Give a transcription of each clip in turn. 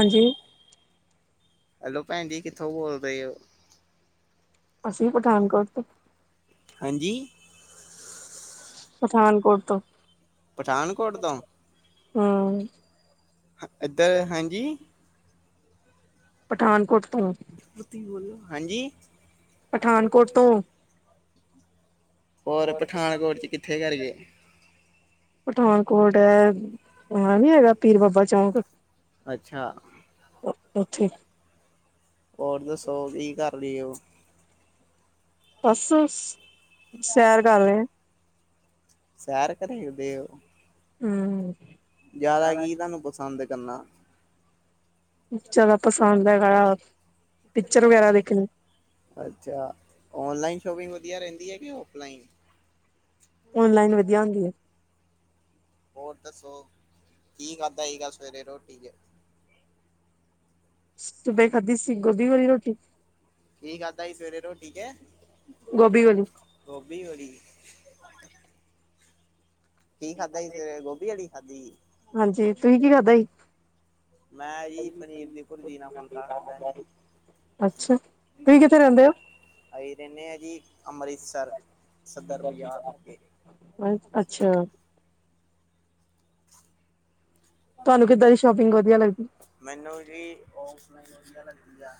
ਹਾਂਜੀ। ਹੈਲੋ ਭੈਣ ਜੀ ਕਿੱਥੋਂ ਬੋਲ ਰਹੇ ਓ। ਅਸੀਂ ਪਠਾਨਕੋਟ ਤੋਂ। ਹਾਂਜੀ ਪਠਾਨਕੋਟ ਤੋਂ। ਪਠਾਨਕੋਟ ਤੋਂ ਹੂ ਹ ਇੱਧਰ ਹਾਂਜੀ ਪਠਾਨਕੋਟ ਤੋਂ ਉੱਚੀ ਬੋਲੋ ਹਾਂਜੀ ਪਠਾਨਕੋਟ ਤੋਂ ਹੋਰ ਪਠਾਨਕੋਟ ਚ ਕਿੱਥੇ ਕਰ ਕੇ। ਪਠਾਨਕੋਟ ਥਾਂ ਹ ਨੀ ਹੈਗਾ, ਪੀਰ ਬਾਬਾ ਚੌਂਕ ਅੱਛਾ ਉਹ ਉੱਥੇ ਹੋਰ ਦੱਸੋ ਕੀ ਕਰ ਲਈਓ ਬਸ ਅਸ ਸੈਰ ਕਰ ਰਹੇ ਐ ਸੈਰ ਕਰ ਦਿਓ। ਹੂ ਜ਼ਾਅਦਾ ਕੀ ਤੁਹਾਨੂੰ ਪਸੰਦ ਕਰਨਾ। ਜ਼ਿਆਦਾ ਪਸੰਦ ਹੈਗਾ ਪਿਕਚਰ ਵਗੈਰਾ ਦੇਖਣੀ ਅੱਛਾ ਔਨਲਾਈਨ ਸ਼ੋਪਿੰਗ ਵਦੀਆ ਰਹਿੰਦੀ ਏ ਕੇ ਔਫਲਾਈਨ ਔਨਲਾਈਨ ਵਦੀਆ ਹੁੰਦੀ ਏ ਹੋਰ ਦੱਸੋ, ਕੀ ਖਾਦਾ ਸੀਗਾ ਸਵੇਰੇ ਰੋਟੀ ਚ ਸੁਬੇ ਖਾਧੀ ਸੀ ਗੋਭੀ ਵਾਲੀ ਰੋਟੀ ਕੀ ਖਾਦਾ ਸੀ ਸਵੇਰੇ ਰੋਟੀ ਚ ਗੋਭੀ ਹੋਲੀ ਗੋਭੀ ਹਲੀ ਕੀ ਖਾਦਾ ਸੀ, ਹਾਂਜੀ ਤੁਸੀ ਕੀ ਖਾਦਾ ਸੀ [unintelligible] ਅੱਛਾ, ਤੁਸੀਂ ਕਿੱਥੇ ਰਹਿੰਦੇ ਔ ਅਹੀ ਰਹਿੰਨੇ ਆ ਜੀ ਅੰਮ੍ਰਿਤਸਰ, ਸਦਰ ਬਾਜ਼ਾਰ ਲਾਗੇ। ਤੁਹਾਨੂੰ ਕਿੱਦਾਂ ਦੀ ਸ਼ੋਪਿੰਗ ਵਦੀਆ ਲਗਦੀ। ਮੈਨੂੰ ਜੀ, ਓਫ਼ਲਇਨ ਵਦੀਆ ਲੱਗਦੀ ਆ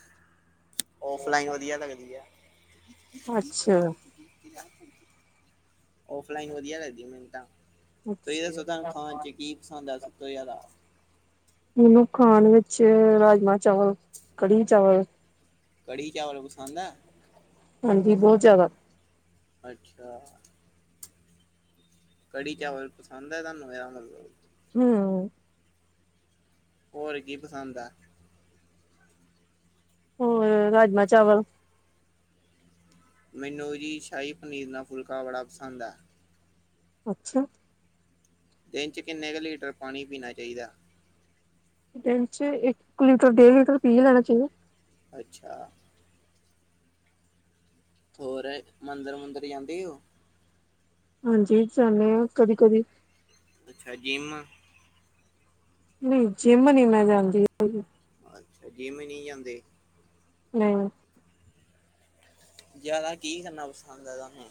ਓਫ਼ਲਾਇਨ ਲਾਈਨ ਵਦੀਆ ਲੱਗਦੀ ਆ। ਦੀਆ ਅੱਛਾ ਔਫਲਾਈਨ ਵਦੀਆ ਲੱਗਦੀ ਮੈਨੂੰ ਤਾ, ਤੁਸੀ ਦਸੋ ਤੁਹਾਨੂੰ ਖਾਣ ਚ ਕੀ ਪਸੰਦ ਐ ਸਭ ਤੋਂ ਜ਼ਿਆਦਾ। ਮੈਨੂੰ ਖਾਣ ਵਿੱਚ ਰਾਜਮਾ-ਚਾਵਲ, ਕੜੀ-ਚਾਵਲ ਕੜ੍ਹੀ ਚਾਵਲ ਪਸੰਦ ਐ। ਬਹੁਤ ਜਿਆਦਾ ਅੱਛਾ ਕੜੀ ਚਾਵਲ ਪਸੰਦ ਐ ਤੁਹਾਨੂੰ, ਇਹਦਾ ਮਤਲਬ ਹੰ ਹੋਰ ਕੀ ਪਸੰਦ ਐ ਹੋਰ ਰਾਜਮਾਂ ਚਾਵਲ ਮੈਨੂੰ ਜੀ ਸ਼ਾਹੀ ਪਨੀਰ ਨਾਲ ਫੁਲਕਾ ਬੜਾ ਪਸੰਦ ਐ ਅੱਛਾ ਦਿਨ ਚ ਕਿਨੇ ਕੁ ਲੀਟਰ ਪਾਨੀ ਪੀਨਾ ਚਾਹੀਦਾ ਦਿਨ ਚ ਇੱਕ ਲੀਟਰ ਡੇਢ ਲੀਟਰ ਪੀ ਲੈਨਾ ਚਾਹੀਦਾ ਅੱਛਾ ਹੋਰ ਮੰਦਰ-ਮੁਦੰਰ ਯਾੰਦੇ ਔ ਹਾਂਜੀ, ਜਾਂਨੇ ਆ ਕਦੀ-ਕਦੀ ਅੱਛਾ ਜਿੰਮ ਨਹੀਂ ਜਿੰਮ ਨੀ ਮੈਂ ਜਾਂਦੀ ਹੈਗੀ ਅੱਛਾ ਜਿੰਮ ਨਹੀ ਜਾਂਦੇ। ਨਹੀਂ ਜ਼ਿਆਦਾ ਕੀ ਕਰਨਾ ਪਸੰਦ ਹੈ ਤੁਹਾਨੂੰ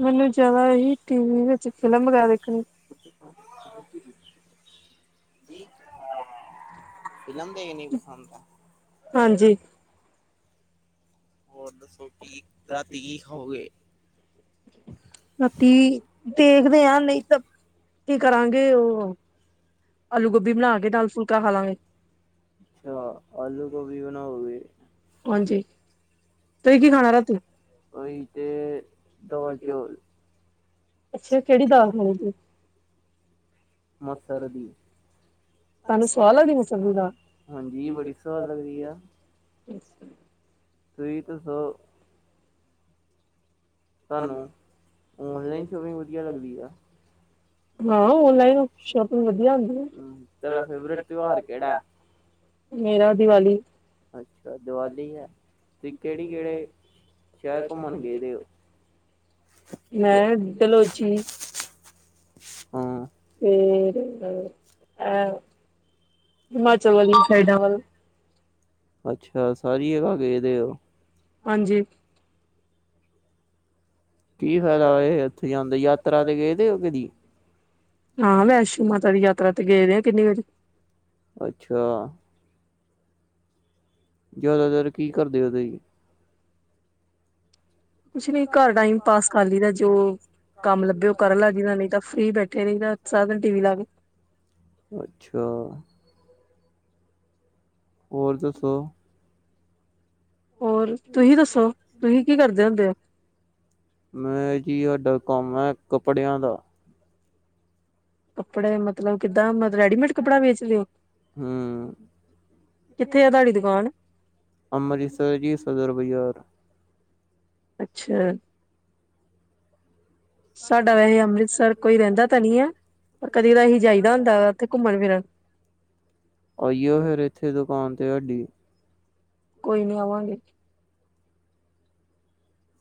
ਮੈਨੂੰ ਜ਼ਿਆਦਾ ਇਹ ਹੀ ਟੀ-ਵੀ ਵਿੱਚ ਫ਼ਿਲਮ ਵਗੈਰਾ ਵੇਖਨੀ [unintelligible] ਫਿਲਮ ਦੇਖਨੀ ਪਸੰਦ ਆ। ਹਾਂਜੀ ਹੋਰ ਦੱਸੋ ਕਿ ਰਾਤੀ ਕੀ ਖਾਉਗੇ ਰਾਤੀ ਦੇਖਦੇ ਆ ਨਹੀਂ ਤਾਂ ਕੀ ਕਰਾਂਗੇ ਉਹ [unintelligible] ਅੱਛਾ ਆਲੂ ਗੋਭੀ ਬਨਾਓਗੇ। ਹਾਂਜੀ ਤੁਹੀ ਕੀ ਖਾਨਾ ਰਾਤੀ, ਉਹੀ ਤੇ ਦਾਲ ਚੌਲ ਅੱਛਾ ਕਿਹੜੀ ਦਾਲ ਖਾਣੀ ਆ ਤੁਂਹੀ ਮਸਰ ਦੀ, ਤੁਆਨੂੰ ਸਵਾਦ ਲੱਗਦੀ ਮਸਰ ਦੀ ਦਾਲ, ਹਾਂਜੀ। ਬੜੀ ਸਵਾਦ ਲੱਗਦੀ ਆ, ਤੁਸੀਂ ਦੱਸੋ। ਤਾਨੂੰ ਔਨਲਾਈਨ ਸ਼ੋਪਿੰਗ ਵਧੀਆ ਲੱਗਦੀ ਆ। ਹਾਂ ਔਨਲਾਈਨ ਸੌਪਿੰਗ ਵਧੀਆ ਹੁੰਦੀ। ਤੇਰਾ ਫੇਵਰੇਟ ਤਿਉਆਰ ਕੇੜਾ ਐ? ਮੇਰਾ ਦੀਵਾਲੀ ਅੱਛਾ ਦੀਵਾਲੀ ਐ ਤੇ ਕੇੜੀ ਕੇੜੇ ਸ਼ੈਰ ਘੁੰਮਣ ਗਏ ਦੇ ਓ। ਮੈਂ ਡਲਓਜੀ। ਫੇਰ ਐ ਹਿਮਾਚਲ ਵਾਲੀ ਸਾਈਡਾਂ ਵੱਲ। ਅੱਛਾ ਸਾਰੀ ਜਗਾ ਗਏ ਦੇ ਓ। ਹਾਂਜੀ। ਕੀ ਫੈਦਾ ਏ ਓਥੇ ਜਾਂਦੇ, ਯਾਤਰਾ ਤੇ ਗਏ ਦੇ ਓ ਕਦੀ। ਹਾਂ ਵੈਸ਼ਨੋ ਮਾਤਾ ਦੀ ਯਾਤਰਾ ਤੇ ਗਏ ਦੇ ਆ ਕਿੰਨੀ ਵਰੀ। ਅੱਛਾ। ਜਾਦਾਤਰ ਕੀ ਕਰਦੇ ਓ ਤੁਹੀ। ਕੁਛ ਨੀ ਘਰ ਟਾਈਮ ਪਾਸ ਕਰ ਲਈਦਾ, ਜੋ ਕੰਮ ਲੱਭੇ ਓ ਕਰਨ ਲੱਗ ਜੀਦਾ ਨਈ ਤਾਂ ਫ੍ਰਰੀ ਬੈਠੇ ਰਈ ਦਾ। ਸਾਰਾ ਦਿਨ ਟੀ ਵੀ ਲਾਕੇ। ਅੱਛਾ। ਔਰ ਦੱਸੋ। ਔਰ ਤੁਹੀਂ ਦੱਸੋ, ਤੁਹੀ ਕੀ ਕਰਦੇ ਹੁੰਦੇ ਓ। ਮੈਂ ਜੀ ਹਾਡਾ ਕੰਮ ਐ ਕੱਪੜਿਆਂ ਦਾ। ਇਕਦਮ ਰੇਡੀਮੇਡ ਕਪੜਾ ਵੇਚਦੇ ਓ, ਹੂੰ। ਕਿਥੇ ਆ ਤਾਡੀ ਦੁਕਾਨ, ਅੰਮ੍ਰਿਤਸਰ ਜੀ ਸਦਰ ਬਜ਼ਾਰ। ਅੱਛਾ। ਸਾਡਾ ਵੈਸੇ ਅੰਮ੍ਰਿਤਸਰ ਕੋਈ ਰੈਂਦਾ ਤਾਂ ਨੀ ਐ। ਪਰ ਕਦੇ ਕਦਾਈਂ ਅਸੀਂ ਜਾਈਦਾ ਹੁੰਦਾ, ਓਥੇ ਘੁੰਮਣ ਫਿਰਨ। ਆਈਓ ਫੇਰ ਏਥੇ ਦਕਾਨ ਤੇ ਹਾਡੀ। ਕੋਈ ਨੀ ਆਵਾਂਗੇ।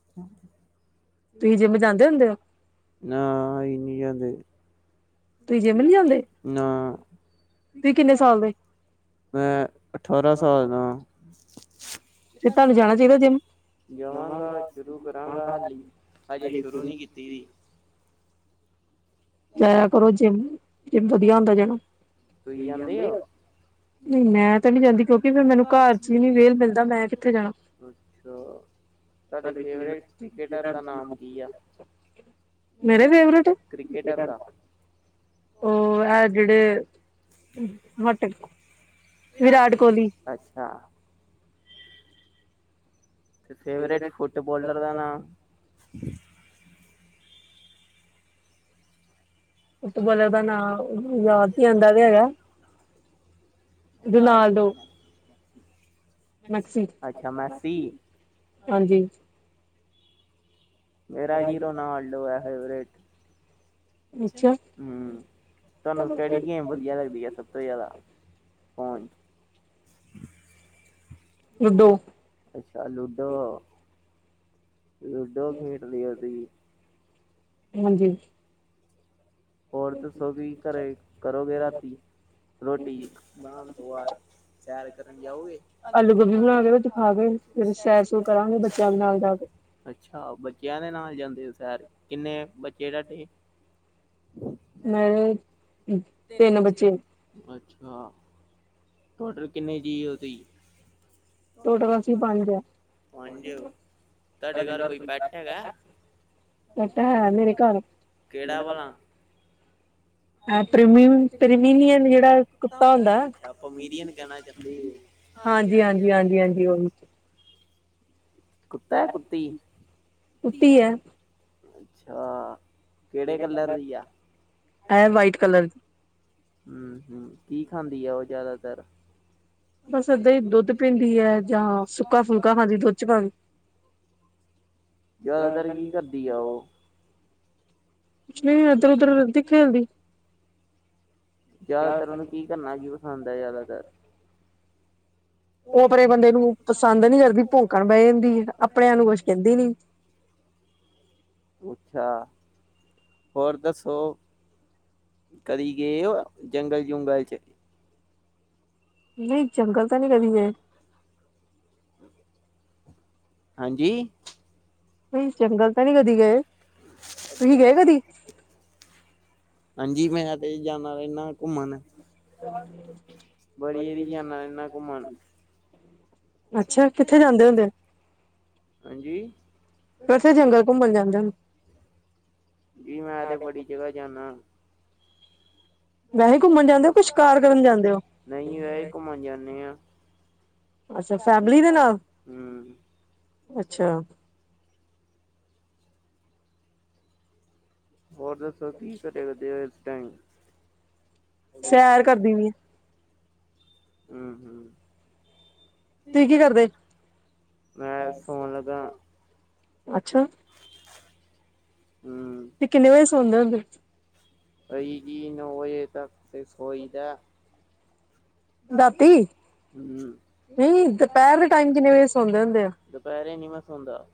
[inaudible] ਤੁਹੀ ਜਿੰਮ ਜਾਂਦੇ ਹੁੰਦੇ ਓ। ਨਾ ਅਹੀ ਨੀ ਜਾਂਦੇ। ਜਿੰੰਮ ਨੀ ਜਾਂਦੇ, ਨਾ -ਤੁਈ ਕਿੰਨੇ ਸਾਲ ਦੇ ਓ। ਐ ਅਠਾਰਾਂ ਸਾਲ ਦਾ। ਫੇਰ ਤਾਨੂੰ ਜਾਣਾ ਚਾਈਦਾ ਜਿੰਮ। [unintelligible] ਜਾਇਆ ਕਰੋ ਜਿੰਮ, ਜਿੰਮ ਵਧੀਆ ਹੁੰਦਾ ਜਾਣਾ, ਤੁਹੀ ਜਾਂਦੇ ਓ। ਨਈ ਮੈਂ ਤੇ ਨੀ ਜਾਂਦੀ ਕਿਉਂਕਿ ਫੇਰ ਮੈਨੂੰ ਘਰ 'ਚ ਈ ਨੀ ਵੇਲ ਮਿਲਦਾ ਮੈਂ ਕਿੱਥੇ ਜਾਣਾ। ਅੱਛਾ ਤਾਡੇ ਫੇਵਰੇਟ ਕ੍ਰਿਕਟਰ ਦਾ ਨਾਮ ਕੀ ਆ। ਮੇੇਰੇ ਫੇਵਰੇਟ, ਕ੍ਰਿਕਟਰ ਦਾ। ਓ ਐ ਜੜੇ, ਮਟਕ ਵਿਰਾਟ ਕੋਲੀ ਅੱਛਾ। ਤੇ ਫੇਵਰੇਟ ਫੁੱਟਬੋਲਰ ਦਾ ਨਾ। ਫੁੱਟਬੋਲਰ ਦਾ ਨਾਂ ਯਾਦ ਨੀ ਆਂਦਾ ਵਿਆ ਹੈਗਾ। ਰਨਾਲਡੋ। ਮੈਕਸੀ, ਅੱਛਾ ਮੈਸੀ ਹਾਂਜੀ। ਮੇਰਾ ਜੀ ਰੋਨਾਲਡੋ ਐ ਫੇਵਰੇਟ। ਅੱਛਾ, ਹਮ ਤੁਹਾਨੂੰ ਕੇਹੜੀ ਗੇਮ ਵਧੀਆ ਲੱਗਦੀ ਆ ਸਭ। [inaudible] ਲੁਡੋ। ਅੱਛਾ ਲੂਡੋ। ਲੂਡੋ ਖੇਡ ਲਈਏ ਅਸੀ। ਹੋਰ ਦੱਸੋ ਕਿ ਘਰੇ ਕਰੋਗੇ ਰਾਤੀ ਰੋਟੀ ਬਣਾਉਣ ਤੋਂ ਬਾਅਦ। ਸੈਰ ਕਰਨ ਜਾਓਗੇ ਆਲੂ ਗੋਭੀ ਬਣਾ ਕੇ। ਆਗੇ ਸੈਰ ਸੂਰ ਕਰਾਂਗੇ ਬੱਚਿਆਂ ਨਾਲ ਜਾ ਕੇ। ਅੱਛਾ, ਬੱਚਿਆਂ ਦੇ ਨਾਲ ਜਾਂਦੇ ਹੋ ਸੈਰ ਕਿੰਨੇ ਬੱਚੇ ਤਾਡੇ। ਮੋਰਦ [unintelligible] ਤਿੰਨ ਬੱਚੇ ਅੱਛਾ ਟੋਟਲ ਕਿੰਨੇ ਜੀ ਹੋ ਤੁਸੀ। ਟੋਟਲ ਅਸੀ ਪੰਜ ਆਂ। ਤੁਹਾਡੇ ਘਰ ਕੋਈ ਪੈਟ ਹੈਗੈ। ਕਟਾ ਹੈ ਮੇਰੇ ਘਰ। [unintelligible] ਹਾਂਜੀ, ਹਾਂਜੀ, ਹਾਂਜੀ, ਹਾਂਜੀ ਔ ਵੀ। ਕੁੱਤੈ -ਕੁੱਤੀ, ਕੁੱਤੀ ਐ ਅੱਛਾ। ਕਿਹੜੇ ਕਲਰ ਐ ਵਾਈਟ ਕਲਰ। ਹਮ- ਹਮ ਕੀ ਖਾਂਦੀ ਐ ਉਹ ਜ਼ਿਆਦਾਤਰ। ਬਸ ਏਦਾਂ ਈ ਦੁੱਧ ਪੀਂਦੀ ਹੈ ਜਾਂ ਸੁੱਕਾ ਫੁੱਲਕਾ ਖਾਂਦੀ ਦੁੱਧ ਚ ਨਾ ਕੇ। ਜ਼ਿਆਦਾਤਰ ਕੀ ਕਰਦੀ ਆ ਔ। ਕੁੱਛ ਨਹੀਂ ਇੱਧਰ -ਉਧਰਦੀ ਖੇਲਦੀ। ਜ਼ਿਆਦਾਤਰ ਉਹਨੂੰ ਕੀ ਕਰਨਾ ਕੀ ਪਸੰਦ ਹੈ ਜ਼ਿਆਦਾਤਰ। ਉਹ ਔਪਰੇ ਬੰਦੇ ਨੂੰ ਪਸੰਦ ਨੀ ਰਖਦੀ ਭੋਕਣ ਬਹਿ ਜਾਂਦੀ ਐ ਆਪਣਿਆਂ ਨੂੰ ਕੁਛ ਕਹਿੰਦੀ ਨੀ। ਅੱਛਾ ਹੋਰ ਦੱਸੋ? ਕਦੀ ਗਏ ਉਹ ਜੰਗਲ -ਜੁਗਲ 'ਚ। ਨਹੀਂ ਜੰਗਲ ਤਾਂ ਨੀ ਕਦੀ ਗਏ। ਹਾਂਜੀ। ਨਹੀਂ ਜੰਗਲ ਤਾਂ ਨਹੀ ਕਦੀ ਗਏ ਤੁਸੀ ਗਏ ਕਦੀ। ਹਾਂਜੀ ਮੈਂ ਤੇ ਜਾਣਾ ਰਹਿੰਦਾ ਘੁੰਮਣ। ਹ [inaudible] ਬੜੀ ਇਰੀ ਜਾਣਾ ਰੇਣਾ ਘੁੰਮਣ। ਅੱਛਾ, ਕਿੱਥੇ ਜਾਂਦੇ ਹੁੰਦੇ। ਹਾਂਜੀ। ਜੀ ਮੈਂ ਤੇ ਬੜੀ ਜਗ੍ਹਾ। ਜਾਣਆ। ਵੇਖ ਘੁੰਮਣ ਜਾਨੇਓ ਕਿ ਸ਼ਿਕਾਰ ਕਰਨ ਜਾਂਦੇ ਓ ਨਹੀਂ ਵੈਹੇ ਹੀ ਘੁੰਮਣ ਜਾਂਦੇ ਆ। ਅੱਛਾ, ਫੈਮਲੀ ਦੇ ਨਾਲ ਅੱਛਾ। ਹੋਰ ਦੱਸੋ ਕਿ ਘਰੇ ਕਰਦੇ ਹੋ ਇਸ ਟਾਇਮ। ਸੈਰ ਕਰਦੀ ਵੀ ਆ। ਹਮ। ਤੁਸੀ ਕੀ ਕਰਦੇ, ਮੈਂ ਸੌਣ ਲੱਗਾ। ਅੱਛਾ। ਹਮ। ਕਿੰਨੇ ਵਜੇ ਸੌਣਂਦੇ ਹੁੰਦੇ। ਓਈ ਜੀ, ਨੌ ਵਜੇ ਤੱਕ ਤੇ ਸੋਈ ਦਾ। [inaudible] ਦੁਪੈਰੇ ਨੀ ਮੈਂ ਸੌਂਦਾ [unintelligible]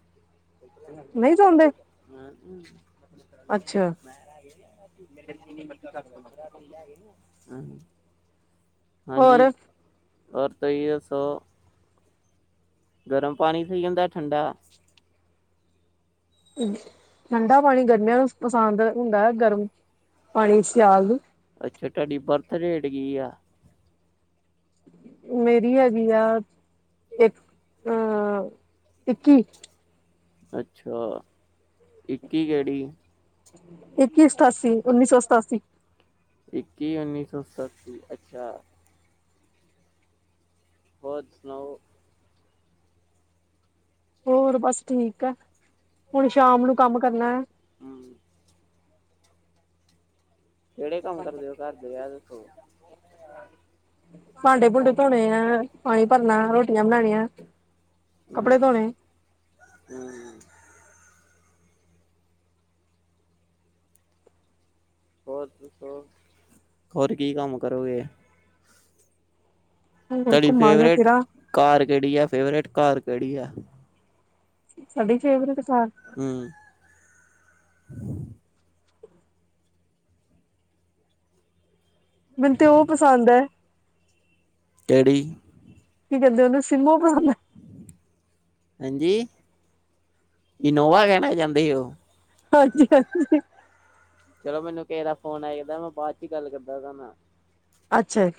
ਮੈਂ ਰੈ ਗਏ ਨਾ [unintelligible] ਰਾਤੀ ਲੈ ਗਏ ਨਾ। [inaudible] ਹਾਂਜੀ, ਔਰ ਤੂਈ ਦੱਸੋ? ਗਰਮ ਪਾਣੀ ਪੀ ਹੁੰਦੈ, ਠੰਡਾ? ਠੰਡਾ ਪਾਣੀ ਗਰਮੀਆਂ ਨੂੰ ਪਸੰਦ ਹੁੰਦੈ, ਗਰਮ ਪਾਣੀ ਸਿਆਲ ਨੂੰ। ਅੱਛਾ, ਤੂਆਡੀ ਬਰਥ ਡੇਟ ਕੀ ਆ? ਮੇਰੀ ਹੈਗੀ ਆ ਏੱਕ ਅ ਇੱਕੀ। ਅੱਛਾ। ਇੱਕੀ ਕੈੜੀ, [unintelligible] ਉੱਨੀ ਸੌ ਸਤਾਸੀ। ਇੱਕੀ ਉੱਨੀ ਸੌ ਸਤਾੱਸੀ, ਅੱਛਾ। [unintelligible] ਸੁਨਾਓ? ਹੋਰ ਬਾੱਸ ਠੀਕ ਐ, ਹੁਣ ਸ਼ਾਮ ਨੂੰ ਕਾੰਮ ਕਰਨੈ। ਹੂੰ। ਕੈੜੇ ਕਾੰਮ ਕਰਦੇ ਓ ਘਾਰ ਦੇ, ਆ ਦੇਖੋ। ਭਾਂਡੇ-ਭੂੰਡੇ ਧੋਣੇ ਐ, ਪਾਣੀ ਭਰਨੈ, ਰੋਟੀਆਂ ਬਨਾਣੀਐਂ ਕੱਪੜੇ ਧੋਣੇ ਹੂੰ। ਹੋਰ ਦੱਸੋ, ਹੋਰ ਕੀ ਕਾੰਮ ਕਰੋਗੇ? ਤੂਆਡੀ ਫੇਵਰੇਟ ਕਾਰ ਕੈੜੀ ਆ, ਫੇਵਰੇਟ ਕਾਰ ਕੈੜੀ ਆ? ਸਾਡੀ ਫੇਵਰੇਟ ਕਾਰ ਹੂੰ। ਮੈਨ ਤੇ ਓ ਪਸੰਦ ਐ। ਕੈੜੀ? ਕੀ ਕੈਂਦੇ ਓਨੂੰ [unintelligible] ਹਾਂਜੀ। ਇਨੋਵਾ ਹੈਗਾ ਨਾ, ਕੈਂਦੇ ਓ। ਹਾਂਜੀ-ਹਾਂਜੀ। ਚਲੋ ਮੈਨੂੰ ਕੀਏਦਾ ਫੋਨ ਆਏਦਾ, ਮੈਂ ਬਾਦ ਚੋ ਗਾੱਲ ਕਰਦਾ ਪੇਆ ਮੈਂ। ਅੱਛਾ ਈ।